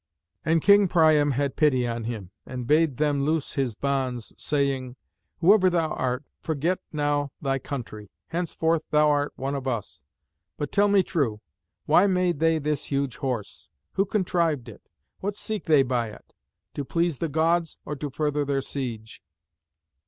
And King Priam had pity on him, and bade them loose his bonds, saying, "Whoever thou art, forget now thy country. Henceforth thou art one of us. But tell me true: why made they this huge Horse? Who contrived it? What seek they by it? to please the Gods or to further their siege?"